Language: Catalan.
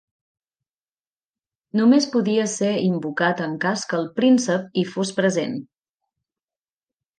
Només podia ser invocat en cas que el príncep hi fos present.